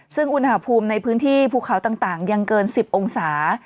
ซึ่งอุณหภูมิในพื้นที่ภูเขาต่างยังเกิน๑๐องศา